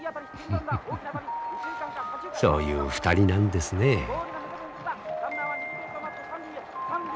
フフフフそういう２人なんですねえ。